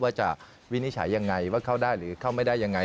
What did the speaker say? ว่าจะวินิจฉัยยังไงว่าเข้าได้หรือเข้าไม่ได้ยังไง